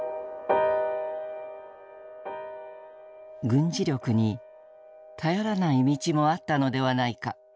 「軍事力に頼らない道もあったのではないか」。